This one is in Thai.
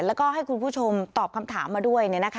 แล้วก็ให้คุณผู้ชมตอบคำถามมาด้วย